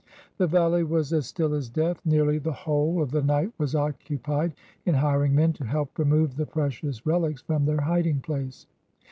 "The valley was as still as death. Nearly the whole of the night was occupied in hiring men to help remove the precious relics from their hiding place.